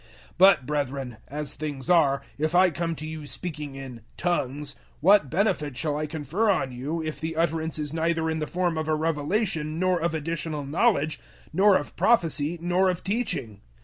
014:006 But, brethren, as things are, if I come to you speaking in `tongues,' what benefit shall I confer on you, if the utterance is neither in the form of a revelation nor of additional knowledge nor of prophecy nor of teaching?